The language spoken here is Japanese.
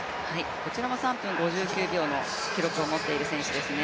こちらも３分５９秒の記録を持っている選手ですね。